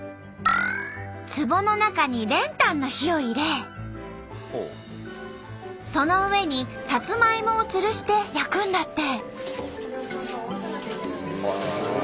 つぼの中に練炭の火を入れその上にサツマイモをつるして焼くんだって。